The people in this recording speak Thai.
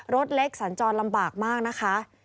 รถเล็กสัญจรลำบากมากนะคะ